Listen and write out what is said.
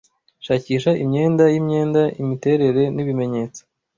Shakisha imyenda yimyenda, Imiterere nibimenyetso